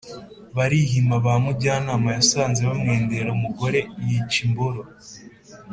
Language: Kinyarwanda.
Barihima ba Mujyanama yasanze bamwendera umugore yica imboro.